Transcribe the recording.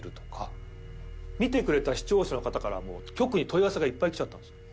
見てくれた視聴者の方から局に問い合わせがいっぱい来ちゃったんですよ。